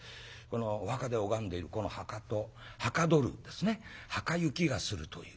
お墓で拝んでいるこの墓とはかどるんですねはかゆきがするという